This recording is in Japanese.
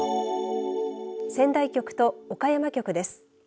仙台局と岡山局です。